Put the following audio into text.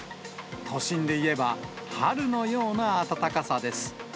都心でいえば、春のような暖かさです。